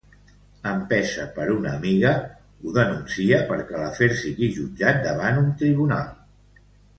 Empesa per una amiga, ho denuncia perquè l'afer sigui jutjat davant un tribunal.